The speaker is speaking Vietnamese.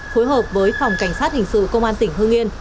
phối hợp với phòng cảnh sát hình sự công an tỉnh hương yên